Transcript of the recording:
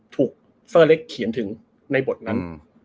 เซอร์เล็กเขียนถึงในบทนั้น